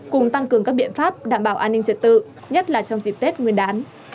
cùng tăng cường các biện pháp đảm bảo an ninh trật tự nhất là trong dịp tết nguyên đán